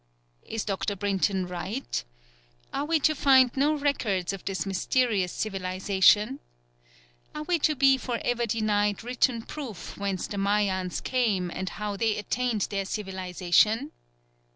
Is Dr. Brinton right? Are we to find no records of this mysterious civilisation? Are we to be for ever denied written proof whence the Mayans came and how they attained their civilisation?